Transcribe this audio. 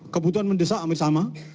kebutuhan mendesak amir sama